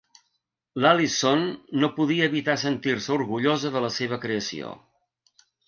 L'Alison no podia evitar sentir-se orgullosa de la seva creació.